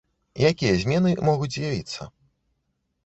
Якія змены могуць з'явіцца?